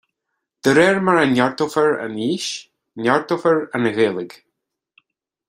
De réir mar a neartófar an fhís, neartófar an Ghaeilge